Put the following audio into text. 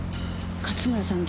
勝村さん